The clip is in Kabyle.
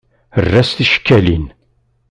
Err-as ticekkalin.